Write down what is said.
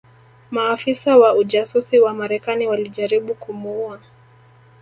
Maafisa wa ujasusi wa Marekani walijaribu kumuua